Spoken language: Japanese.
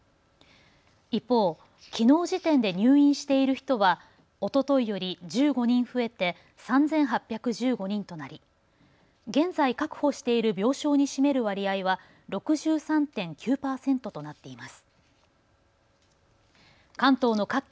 一方、きのう時点で入院している人はおとといより１５人増えて３８１５人となり現在確保している病床に占める割合は６３．９％となっています。